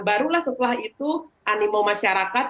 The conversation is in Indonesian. barulah setelah itu animo masyarakat